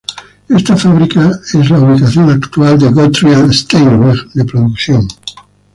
Esta fábrica es la ubicación actual de Grotrian-Steinweg de producción.